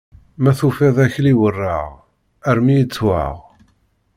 Ma tufiḍ akli werreɣ, armi ittwaɣ.